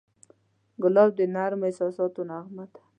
ګلاب د نرمو احساساتو نغمه ده.